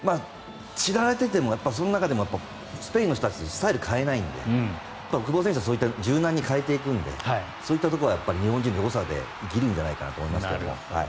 知られていてもその中でもスペインの人たちはスタイルを変えないので久保選手は柔軟に変えていくのでそういったところは日本人のよさで生きるんじゃないかと思いますが。